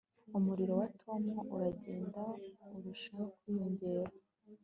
umuriro wa tom uragenda urushaho kwiyongera. (inkomoko_voa